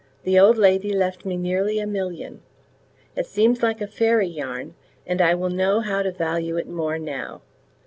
The old lady left me nearly a million. It seems like a fairy yarn, and I will know how to value it more now.